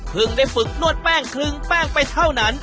ได้ฝึกนวดแป้งคลึงแป้งไปเท่านั้น